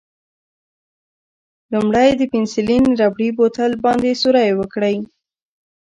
لومړی د پنسیلین ربړي بوتل باندې سوری وکړئ.